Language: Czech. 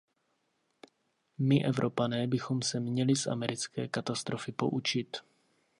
My Evropané bychom se měli z americké katastrofy poučit.